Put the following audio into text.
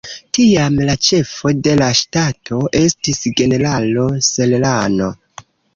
Tiam, la ĉefo de la ŝtato estis generalo Serrano.